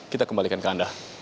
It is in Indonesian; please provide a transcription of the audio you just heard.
kita kembalikan ke anda